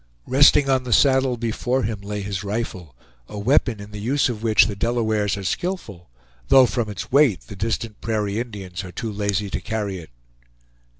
Resting on the saddle before him lay his rifle; a weapon in the use of which the Delawares are skillful; though from its weight, the distant prairie Indians are too lazy to carry it.